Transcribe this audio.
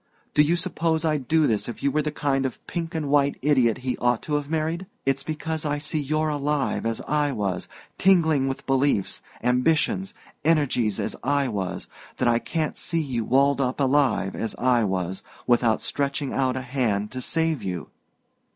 Do you suppose I'd do this if you were the kind of pink and white idiot he ought to have married? It's because I see you're alive, as I was, tingling with beliefs, ambitions, energies, as I was that I can't see you walled up alive, as I was, without stretching out a hand to save you!"